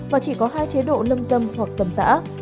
và chỉ có hai chế độ lâm dâm hoặc cầm tả